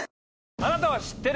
あなたは知ってる？